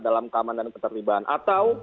dalam keaman dan keterlibahan atau